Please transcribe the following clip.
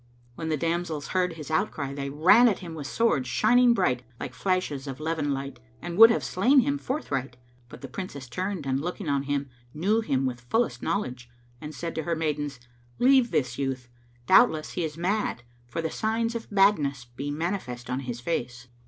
When the damsels heard his outcry they ran at him with swords shining bright like flashes of leven light and would have slain him forthright. But the Princess turned and looking on him, knew him with fullest knowledge, and said to her maidens, "Leave this youth; doubtless he is mad, for the signs of madness be manifest on his face."